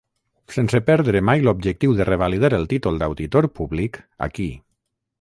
Sense perdre mai l’objectiu de revalidar el títol d’auditor públic aquí.